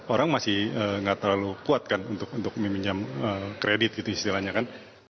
orang masih nggak terlalu kuat kan untuk meminjam kredit gitu istilahnya kan